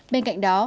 bên cạnh đó